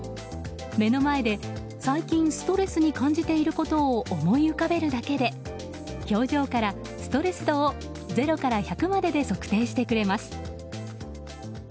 目の前で最近ストレスに感じていることを思い浮かべるだけで、表情からストレス度を０から１００までで測定してくれます。